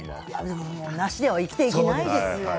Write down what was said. もうなしでは生きていけないですね。